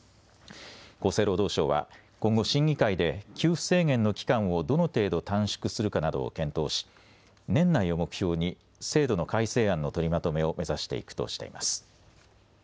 厚生労働省は今後、審議会で給付制限の期間をどの程度短縮するかなどを検討し年内を目標に制度の改正案の取りまとめを目指していくとしています。